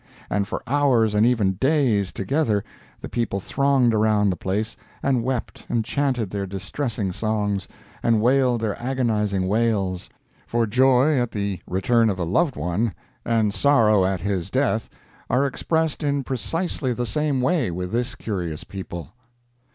And for hours and even days together the people thronged around the place and wept and chanted their distressing songs, and wailed their agonizing wails; for joy at the return of a loved one and sorrow at his death are expressed in precisely the same way with this curious people.